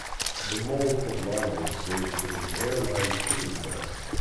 The mole poblano is served with an airline chicken breast.